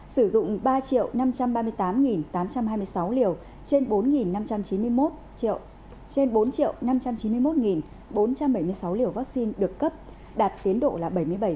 sử dụng ba năm trăm ba mươi tám tám trăm hai mươi sáu liều trên bốn năm trăm chín mươi một bốn trăm bảy mươi sáu liều vaccine được cấp đạt tiến độ là bảy mươi bảy một